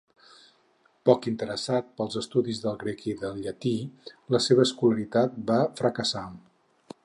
Poc interessat pels estudis del grec i del llatí, la seva escolaritat va fracassar.